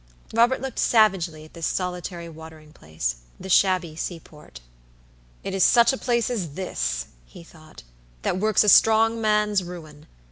Robert looked savagely at this solitary watering placethe shabby seaport. "It is such a place as this," he thought, "that works a strong man's ruin.